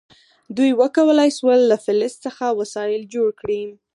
دوی وکولی شول له فلز څخه وسایل جوړ کړي.